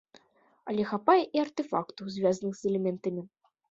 Але хапае і артэфактаў, звязаных з элементамі.